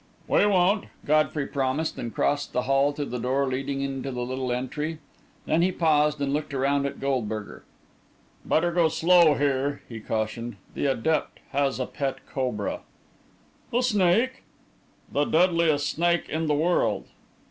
"We won't," Godfrey promised, and crossed the hall to the door leading into the little entry. Then he paused and looked around at Goldberger. "Better go slow here," he cautioned. "The adept has a pet cobra." "A snake?" "The deadliest snake in the world."